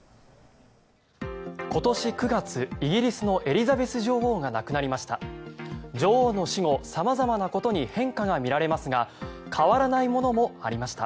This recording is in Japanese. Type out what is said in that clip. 今年９月イギリスのエリザベス女王が亡くなりました。